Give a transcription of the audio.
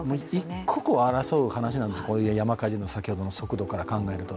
一刻を争う話なんです、山火事の速度から考えると。